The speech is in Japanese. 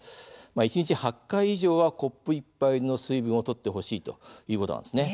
一日８回以上はコップ１杯の水分をとってほしいということなんです。